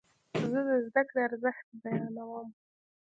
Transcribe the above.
زه د زده کړې ارزښت بیانوم.